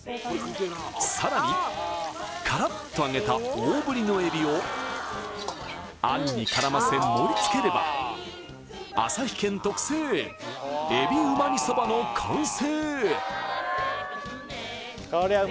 さらにカラッと揚げた大ぶりのエビをあんに絡ませ盛りつければアサヒ軒特製えびうま煮そばの完成！